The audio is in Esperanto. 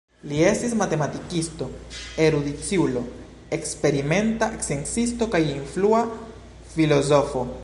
Li estis matematikisto, erudiciulo, eksperimenta sciencisto kaj influa filozofo.